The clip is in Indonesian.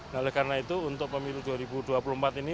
nah oleh karena itu untuk pemilu dua ribu dua puluh empat ini